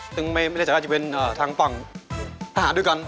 ซึ่งไม่แน่ใจว่าจะเป็นทางฝั่งทหารด้วยกัน